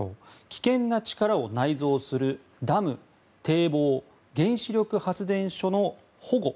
危険な力を内蔵するダム、堤防、原子力発電所の保護